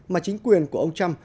mà chính quyền của ông trump